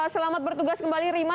selamat bertugas kembali rima